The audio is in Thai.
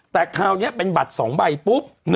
แต่คราวนี้เป็นบัตร๒ใบปุ๊บ